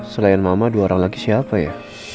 selain mama dua orang lagi siapa ya